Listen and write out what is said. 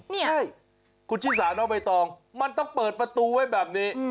นี่คุณชิสาน้องใบตองมันต้องเปิดประตูไว้แบบนี้